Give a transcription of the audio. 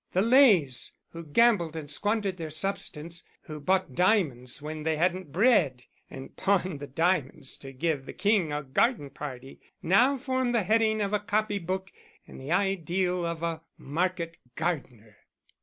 The Leys, who gambled and squandered their substance, who bought diamonds when they hadn't bread, and pawned the diamonds to give the King a garden party, now form the heading of a copybook and the ideal of a market gardener."